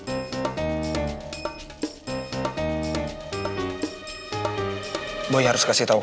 ma mau gue kasih tau